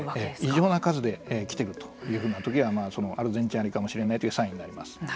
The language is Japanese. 異常な数で来ているというときにはアルゼンチンアリかもしれないというサインになります。